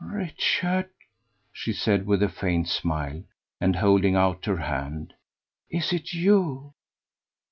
"Richard," she said with a faint smile, and holding out her hand, "is it you?"